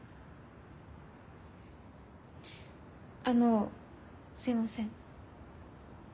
あのすいません。